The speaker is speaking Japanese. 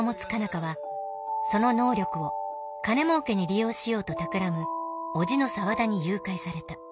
花はその能力を金もうけに利用しようとたくらむ叔父の沢田に誘拐された。